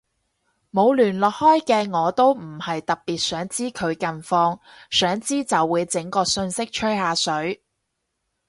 冇聯絡開嘅我都唔係特別想知佢近況，想知就會整個訊息吹下水